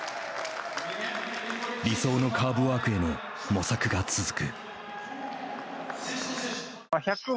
理想のカーブワークへの模索が続く。